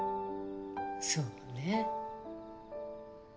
そうね。